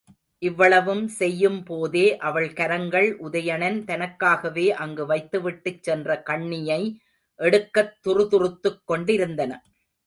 இவ்வளவும் செய்யும் போதே அவள் கரங்கள், உதயணன் தனக்காகவே அங்கு வைத்துவிட்டுச் சென்ற கண்ணியை எடுக்கத் துறுதுறுத்துக் கொண்டிருந்தன.